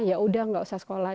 ya udah nggak usah sekolah